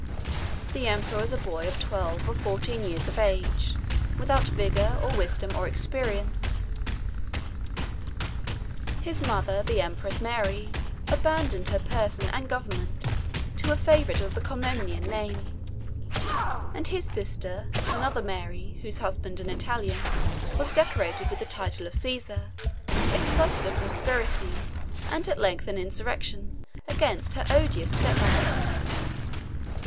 The emperor was a boy of twelve or fourteen years of age, without vigor, or wisdom, or experience: his mother, the empress Mary, abandoned her person and government to a favorite of the Comnenian name; and his sister, another Mary, whose husband, an Italian, was decorated with the title of Caesar, excited a conspiracy, and at length an insurrection, against her odious step mother.